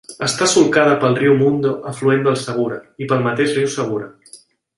Està solcada pel riu Mundo, afluent del Segura, i pel mateix riu Segura.